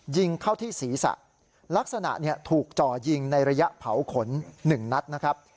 ยิงเข้าที่ศีรษะลักษณะถูกจ่อยิงในระยะเผาขน๑นัดนะครับ